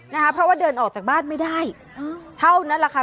นะคะเพราะว่าเดินออกจากบ้านไม่ได้เท่านั้นแหละค่ะ